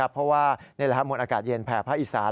เพราะว่านี่แหละมวลอากาศเย็นแผ่ภาคอีสาน